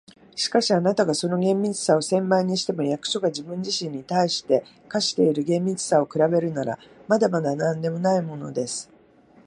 「しかし、あなたがその厳密さを千倍にしても、役所が自分自身に対して課している厳密さに比べるなら、まだまだなんでもないものです。